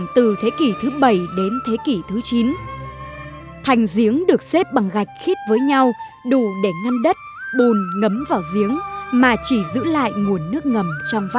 từ thế kỷ thứ bảy đến thế kỷ thứ chín thành diếng được xếp bằng gạch khít với nhau đủ để ngăn đất bùn ngấm vào diếng mà chỉ giữ lại nguồn nước ngầm trong vắt